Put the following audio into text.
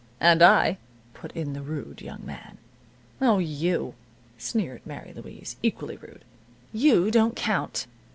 '" "And I," put in the rude young man. "O, you," sneered Mary Louise, equally rude, "you don't count."